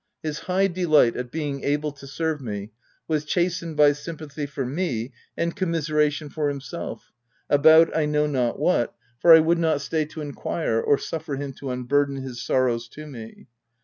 His high delight at being able to serve me, was chastened by sympathy for me and commisera tion for himself— about T know not what, for I would not stay to inquire or suffer him to un burden his sorrows to me.